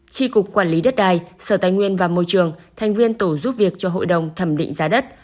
tri cục quản lý đất đai sở tài nguyên và môi trường thành viên tổ giúp việc cho hội đồng thẩm định giá đất